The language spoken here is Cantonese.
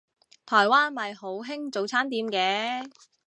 台灣咪好興早餐店嘅